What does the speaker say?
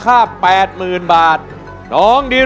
โทษให้โทษให้โทษให้โทษให้